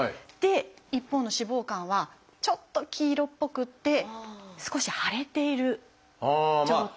一方の脂肪肝はちょっと黄色っぽくて少し腫れている状態。